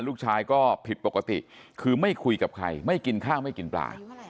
ลูกชายก็ผิดปกติคือไม่คุยกับใครไม่กินข้าวไม่กินปลา